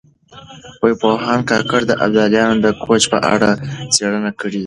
پوهاند کاکړ د ابدالیانو د کوچ په اړه څېړنه کړې ده.